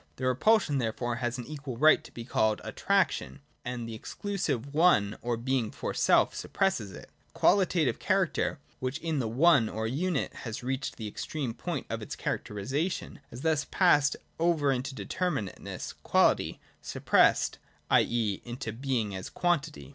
The repulsion therefore has an equal right to be called Attraetion; and the exclusive One, or Being for self, suppresses itself. The qualitative cha 1 82 THE DOCTRINE OF BEING. [9^ racter, which in the One or unit has reached the ex treme point of its characterisation, has thus passed over into determinateness (quahty) suppressed, i. e. into Being as Quantity.